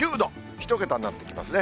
１桁になってきますね。